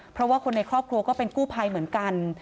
เพราะว่าคนในครอบครัวก็เป็นกู้ภัยเหมือนกัน